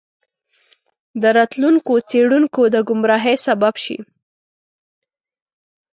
د راتلونکو څیړونکو د ګمراهۍ سبب شي.